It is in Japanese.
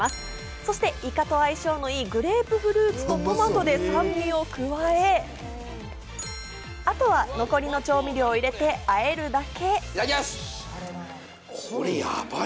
そしてイカと相性のいいグレープフルーツとトマトで酸味を加え、あとは残りの調味料を入れて和えるだけ。